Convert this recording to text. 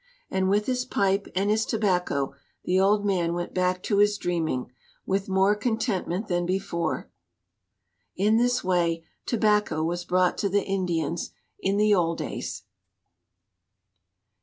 And with his pipe and his tobacco the old man went back to his dreaming, with more contentment than before. In this way Tobacco was brought to the Indians in the old days.